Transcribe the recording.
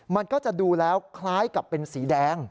มันก็จะดูแล้วคล้ายกับเป็นสีแดง